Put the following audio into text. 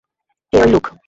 কে এই লোক?